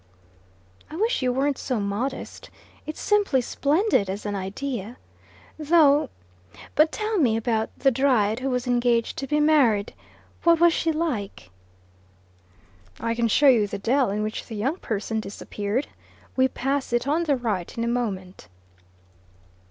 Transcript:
"I wish you weren't so modest. It's simply splendid as an idea. Though but tell me about the Dryad who was engaged to be married. What was she like?" "I can show you the dell in which the young person disappeared. We pass it on the right in a moment."